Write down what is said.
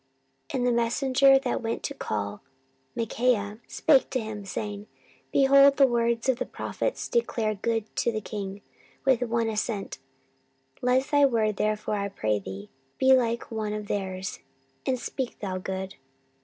14:018:012 And the messenger that went to call Micaiah spake to him, saying, Behold, the words of the prophets declare good to the king with one assent; let thy word therefore, I pray thee, be like one of their's, and speak thou good.